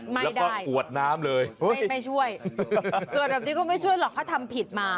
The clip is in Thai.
ไม่ได้ไม่ช่วยส่วนแบบนี้ก็ไม่ช่วยหรอกเขาทำผิดมา